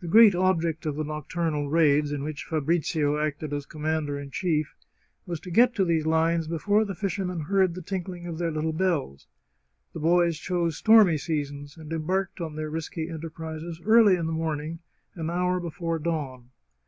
The great object of the nocturnal raids, in which Fabri zio acted as commander in chief, was to get to these lines before the fishermen heard the tinkling of their little bells. The boys chose stormy seasons, and embarked on their risky enterprises early in the morning, an hour before dawn.